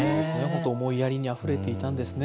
思いやりにあふれていたんですね。